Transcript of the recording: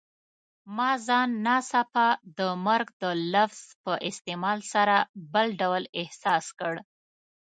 ما ځان ناڅاپه د مرګ د لفظ په استعمال سره بل ډول احساس کړ.